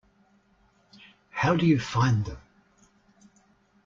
How do you find them?